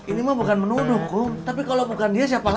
ini mah bukan menuduh tapi kalau bukan dia siapa lagi